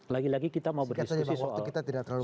lagi lagi kita mau berdiskusi